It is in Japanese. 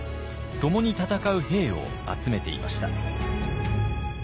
共に戦う兵を集めていました。